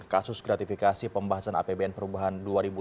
kasus gratifikasi pembahasan apbn perubahan dua ribu delapan belas